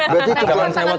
dari sisi mananya nih orang